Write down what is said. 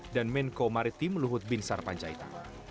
dan menko maritim luhut bin sarpancaita